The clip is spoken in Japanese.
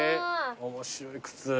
面白い靴。